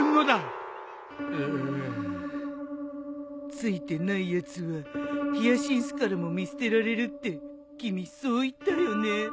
ツイてないやつはヒヤシンスからも見捨てられるって君そう言ったよね。